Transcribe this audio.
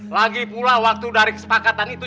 lagipula waktu dari kesepakatan itu